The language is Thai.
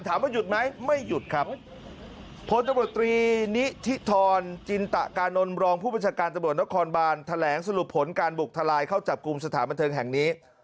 ถามว่าหยุดไหมไม่หยุดครับพลตำรวจตรีนิธิธรจินตะกานนท์รองผู้บัญชาการตำรวจนครบานแถลงสรุปผลการบุกทลายเข้าจับกลุ่มสถานบันเทิงแห่งนี้